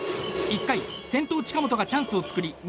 １回、先頭、近本がチャンスを作り